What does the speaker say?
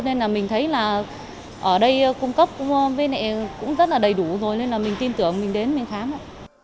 nên là mình thấy là ở đây cung cấp cũng rất là đầy đủ rồi nên là mình tin tưởng mình đến mình khám ạ